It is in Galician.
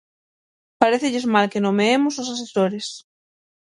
Parécelles mal que nomeemos os asesores.